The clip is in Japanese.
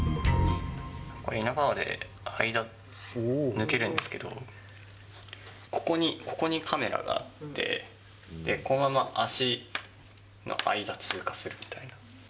イナバウアーで間、抜けるんですけど、ここに、ここにカメラがあって、このまま足の間を通過するみたいな。